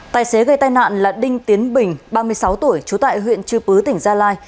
tài xế gây tai nạn là đinh tiến bình ba mươi sáu tuổi trú tại huyện chư pứ tỉnh gia lai